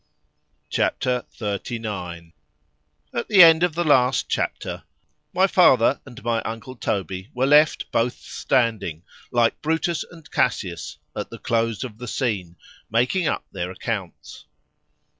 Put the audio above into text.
C H A P. XXXIX AT the end of the last chapter, my father and my uncle Toby were left both standing, like Brutus and Cassius, at the close of the scene, making up their accounts.